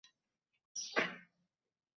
আমি অনুতপ্ত ও আন্তরিকভাবে দুঃখিত।’